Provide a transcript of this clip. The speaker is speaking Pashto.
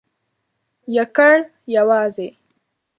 یکړ...یوازی ..